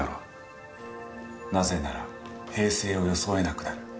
なぜなら平静を装えなくなる。